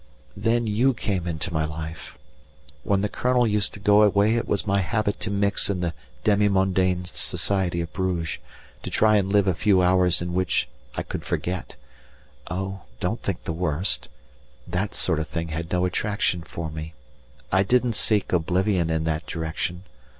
Then you came into my life! When the Colonel used to go away it was my habit to mix in the demi mondaine society of Bruges, to try and live a few hours in which I could forget oh! don't think the worst! That sort of thing had no attraction for me. I didn't seek oblivion in that direction!